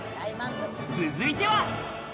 続いては。